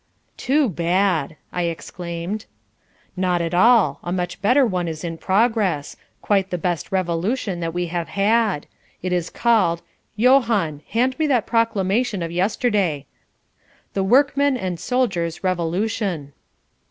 "Too bad!" I exclaimed. "Not at all. A much better one is in progress, quite the best Revolution that we have had. It is called Johann, hand me that proclamation of yesterday the Workmen and Soldiers Revolution."